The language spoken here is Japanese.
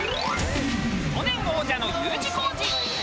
去年王者のＵ字工事。